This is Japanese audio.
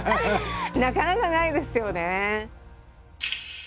なかなかないですよね。